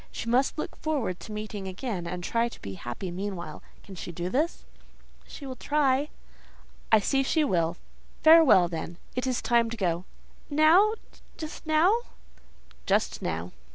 She must look forward to meeting again, and try to be happy meanwhile. Can she do this?" "She will try." "I see she will. Farewell, then. It is time to go." "Now?—just now? "Just now."